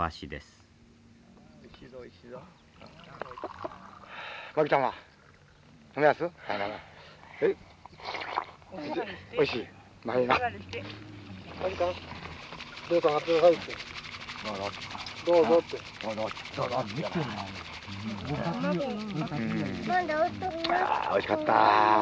あおいしかった。